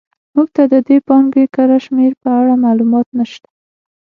موږ ته د دې پانګې کره شمېر په اړه معلومات نه شته.